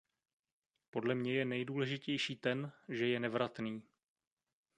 Podle mě je nejdůležitější ten, že je nevratný.